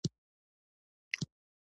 د یوې خطرناکې وسلې په توګه.